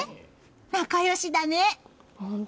仲良しだね。